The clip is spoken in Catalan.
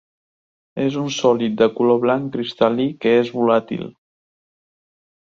És un sòlid de color blanc cristal·lí que és volàtil.